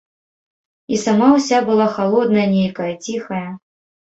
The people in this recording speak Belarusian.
І сама ўся была халодная нейкая, ціхая.